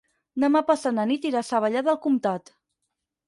Demà passat na Nit irà a Savallà del Comtat.